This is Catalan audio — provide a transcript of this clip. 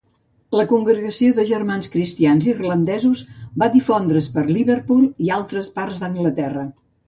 La congregació de Germans Cristians Irlandesos va difondre's per Liverpool i altres parts d'Anglaterra.